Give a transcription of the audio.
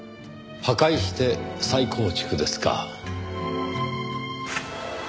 破壊して再構築ですか。